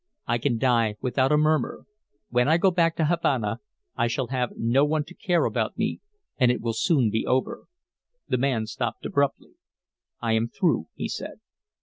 I can die without a murmur. When I go back to Havana I shall have no one to care about me, and it will soon be over." The man stopped abruptly. "I am through," he said.